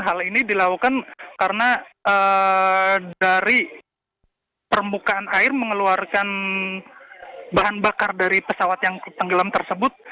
hal ini dilakukan karena dari permukaan air mengeluarkan bahan bakar dari pesawat yang tenggelam tersebut